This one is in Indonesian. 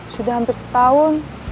sudah hampir setahun